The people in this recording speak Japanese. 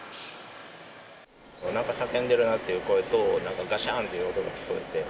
なんか叫んでるなっていう声と、なんか、がしゃーんって音が聞こえて。